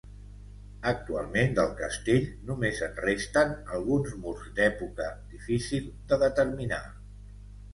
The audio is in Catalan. Actualment del castell només en resten alguns murs d'època difícil de determinar.